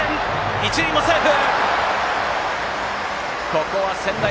一塁もセーフ！